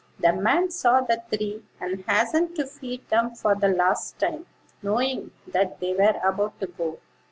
The man saw the three, and hastened to feed them for the last time, knowing that they were about to go.